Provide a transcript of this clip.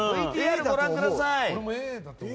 ＶＴＲご覧ください。